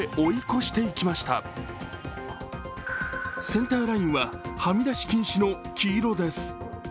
センターラインは、はみ出し禁止の黄色です。